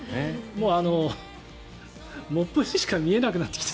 もうモップにしか見えなくなってきた。